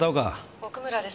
「奥村です」